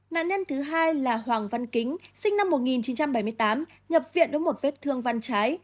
nạn nhân thứ hai là hoàng văn kính sinh năm một nghìn chín trăm bảy mươi tám nhập viện với một vết thương văn trái